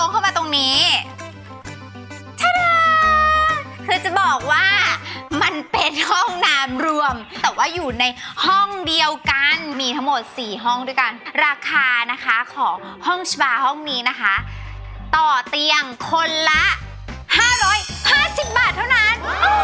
คือจะบอกว่ามันเป็นห้องน้ำรวมแต่ว่าอยู่ในห้องเดียวกันมีทั้งหมด๔ห้องด้วยกันราคานะคะของห้องชาบาร์ห้องนี้นะคะต่อเตียงคนละ๕๕๐บาทเท่านั้น